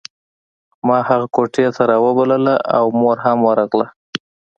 ما هغه کوټې ته راوبلله او مور هم ورغله